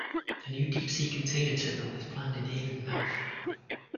A new deepsea container terminal is planned in Avonmouth.